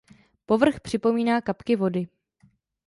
Povrch připomíná kapky vody.